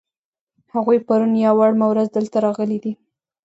هغوی پرون یا وړمه ورځ دلته راغلي دي.